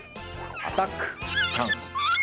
アタックチャンス‼